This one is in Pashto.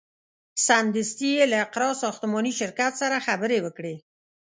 سمدستي یې له اقراء ساختماني شرکت سره خبرې وکړې.